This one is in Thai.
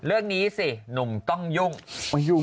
เรื่องนี้สิหนุ่มต้องยุ่ง